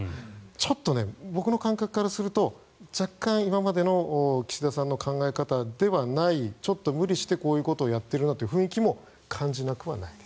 ちょっと僕の感覚からすると若干、今までの岸田さんの考え方ではないちょっと無理してこういうことをやっているなという雰囲気も感じはなくはないです。